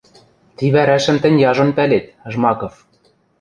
— Ти вӓрӓшӹм тӹнь яжон пӓлет — Жмаков.